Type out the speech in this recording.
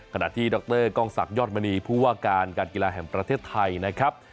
ขณะที่ดรกล้องศักดิยอดมณีผู้ว่าการการกีฬาแห่งประเทศไทยนะครับ